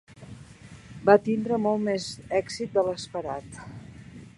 Va tindre molt més èxit de l'esperat.